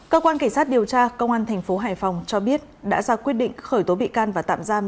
cơ quan cảnh sát điều tra công an thành phố hải phòng cho biết đã ra quyết định khởi tố bị can và tạm giam